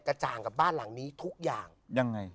จ่างกับบ้านหลังนี้ทุกอย่างยังไง